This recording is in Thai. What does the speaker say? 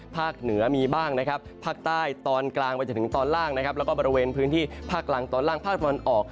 เหนือมีบ้างนะครับภาคใต้ตอนกลางไปจนถึงตอนล่างนะครับแล้วก็บริเวณพื้นที่ภาคกลางตอนล่างภาคตะวันออก